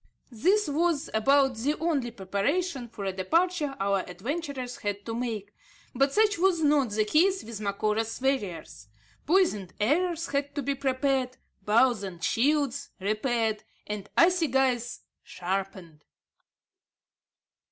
This was about the only preparation for a departure our adventurers had to make; but such was not the case with Macora's warriors. Poisoned arrows had to be prepared, bows and shields repaired, and assegais sharpened.